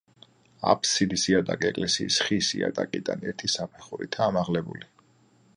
აფსიდის იატაკი ეკლესიის ხის იატაკიდან ერთი საფეხურითაა ამაღლებული.